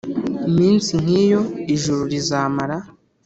iminsi nk iyo ijuru rizamara